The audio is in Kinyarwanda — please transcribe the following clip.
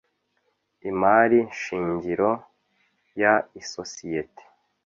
imari shingiro y isosiyete